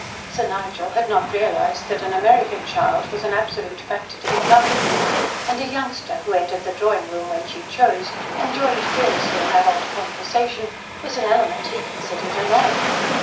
Sir Nigel had not realised that an American child was an absolute factor to be counted with, and a "youngster" who entered the drawing room when she chose and joined fearlessly in adult conversation was an element he considered annoying.